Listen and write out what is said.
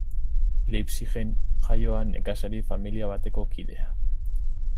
Leipzigen jaioa, nekazari familia bateko kidea.